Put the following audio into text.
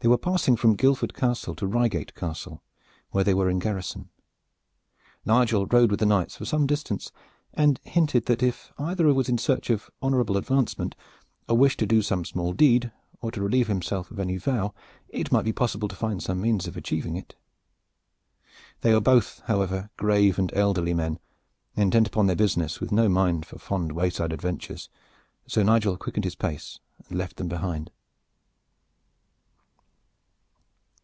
They were passing from Guildford Castle to Reigate Castle, where they were in garrison. Nigel rode with the knights for some distance, and hinted that if either was in search of honorable advancement, or wished to do some small deed, or to relieve himself of any vow, it might be possible to find some means of achieving it. They were both, however, grave and elderly men, intent upon their business and with no mind for fond wayside adventures, so Nigel quickened his pace and left them behind.